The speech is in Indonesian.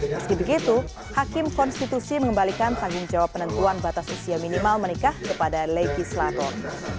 meski begitu hakim konstitusi mengembalikan tanggung jawab penentuan batas usia minimal menikah kepada legislator